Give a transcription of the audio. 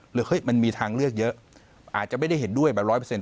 เฮ้ยมันมีทางเลือกเยอะอาจจะไม่ได้เห็นด้วยแบบร้อยเปอร์เซ็น